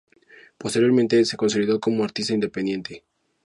Posteriormente se consolidó como artista independiente.